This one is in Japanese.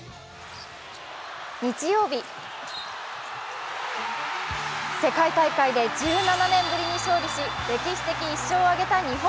日曜日、世界大会で１７年ぶりに勝利し歴史的１勝を挙げた日本。